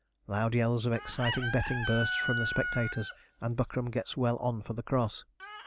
Loud yells of exciting betting burst from the spectators, and Buckram gets well on for the cross.